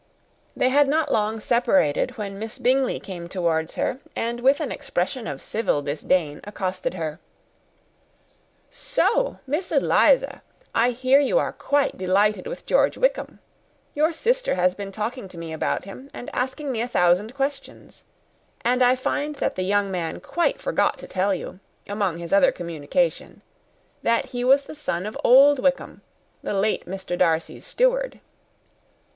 They had not long separated when Miss Bingley came towards her, and, with an expression of civil disdain, thus accosted her, "So, Miss Eliza, I hear you are quite delighted with George Wickham? Your sister has been talking to me about him, and asking me a thousand questions; and I find that the young man forgot to tell you, among his other communications, that he was the son of old Wickham, the late Mr. Darcy's steward.